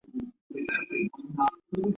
发动机位于底盘的右前方。